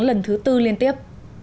lần thứ tư liên tiếp